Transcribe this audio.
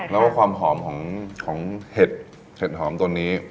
แล้วก็ความหอมของเห็ดเห็ดหอมตัวนี้